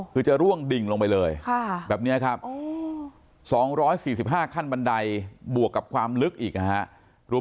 คือจะร่วงดิ่งลงไปเลยแบบนี้ครับ๒๔๕ขั้นบันไดบวกกับความลึกอีกนะครับ